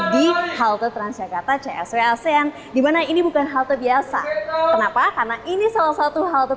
di halte transjakarta csw asean dimana ini bukan halte biasa kenapa karena ini salah satu halte